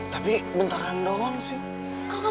tapi bentaran doang sih